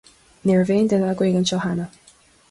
Ní raibh aon duine againn anseo cheana.